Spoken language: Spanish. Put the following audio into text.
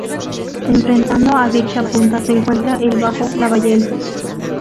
Enfrentando a dicha punta se encuentra el bajo La Ballena.